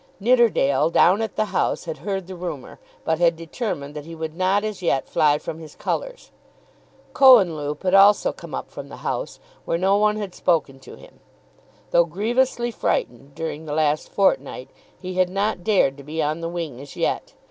Nidderdale down at the House had heard the rumour, but had determined that he would not as yet fly from his colours. Cohenlupe had also come up from the House, where no one had spoken to him. Though grievously frightened during the last fortnight, he had not dared to be on the wing as yet.